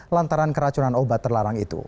lantaran keracunan obat terlarang itu